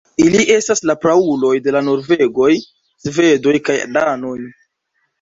Ili estas la prauloj de la norvegoj, svedoj kaj danoj.